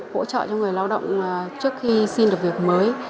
hỗ trợ cho người lao động trước khi xin được việc mới